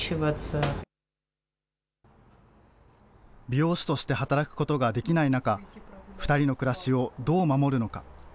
美容師として働くことができない中、２人の暮らしをどう守るのか。